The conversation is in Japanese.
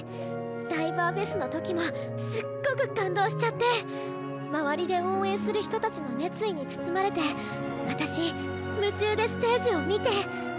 ＤＩＶＥＲＦＥＳの時もすっごく感動しちゃって周りで応援する人たちの熱意に包まれて私夢中でステージを見て。